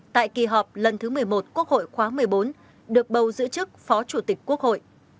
tại kỳ họp lần thứ một mươi một quốc hội khóa một mươi bốn được bầu giữ chức phó chủ tịch quốc hội